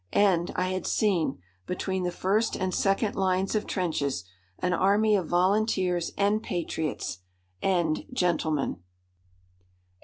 And I had seen, between the first and second lines of trenches, an army of volunteers and patriots and gentlemen.